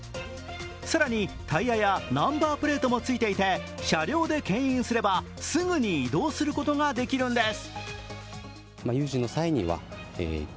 更に、タイヤやナンバープレートもついていて、車両でけん引すればすぐに移動することができるんです。